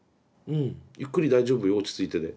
うんゆっくり大丈夫よ落ち着いてで。